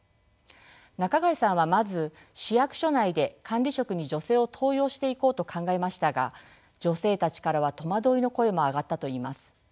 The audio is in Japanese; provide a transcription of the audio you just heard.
中貝さんはまず市役所内で管理職に女性を登用していこうと考えましたが女性たちからは戸惑いの声も上がったといいます。